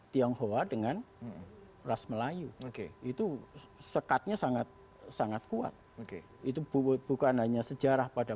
tionghoa dengan ras melayu oke itu sekatnya sangat sangat kuat oke itu bukan hanya sejarah pada